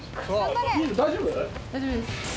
大丈夫です。